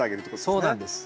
そうなんです。